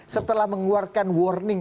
setelah mengeluarkan warning